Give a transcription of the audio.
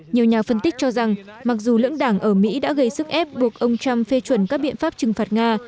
nhiều nhà phân tích cho rằng mặc dù lưỡng đảng ở mỹ đã gây sức ép buộc ông trump phê chuẩn các biện pháp trừng phạt nga